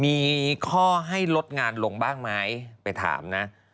มีข้อให้ลดงานลงบ้างไหมไปถามนะ